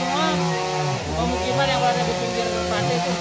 pemukiman yang berada di pinggir terpantai